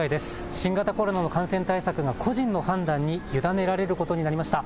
新型コロナの感染対策が個人の判断に委ねられることになりました。